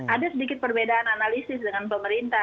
ada sedikit perbedaan analisis dengan pemerintah